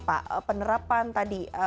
pak penerapan tadi